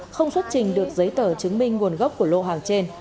không xuất trình được giấy tờ chứng minh nguồn gốc của lô hàng trên